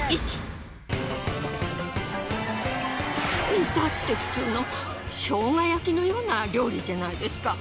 いたって普通の生姜焼きのような料理じゃないですか！